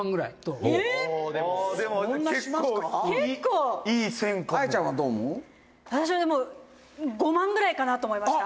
「私は、でも５万ぐらいかなと思いました」